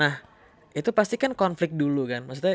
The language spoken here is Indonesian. nah itu pasti kan konflik dulu kan